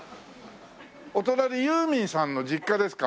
お隣ユーミンさんの実家ですか？